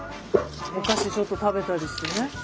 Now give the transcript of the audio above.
お菓子ちょっと食べたりしてね。